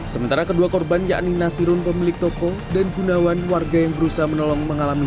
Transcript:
sementara kedua korban yakni nasirun pemilik toko dan gunawan warga yang berusaha menolong mengalami